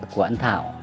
của anh thảo